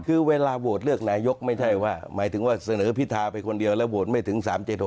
คือเวลาโหวตเลือกนายกไม่ใช่ว่าหมายถึงว่าเสนอพิธาไปคนเดียวแล้วโหวตไม่ถึง๓๗๖